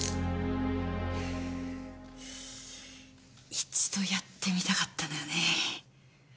一度やってみたかったのよね。